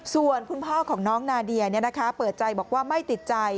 ส่วนคุณพ่อของน้องนาเดียเปิดใจบอกว่าไม่ติดใจ